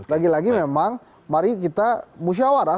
lagi lagi memang mari kita musyawarah